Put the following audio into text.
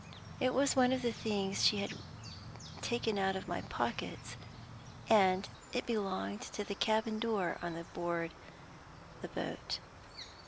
It was one of the things she had taken out of my pockets and it belonged to the cabin door on board the boat.